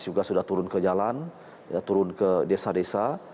juga sudah turun ke jalan turun ke desa desa